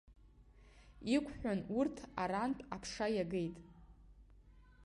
Иқәҳәан урҭ арантә аԥша иагеит.